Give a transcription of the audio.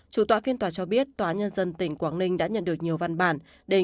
chủ tọa phiên tòa cho biết tòa nhân dân tỉnh quảng ninh đã nhận được nhiều văn bản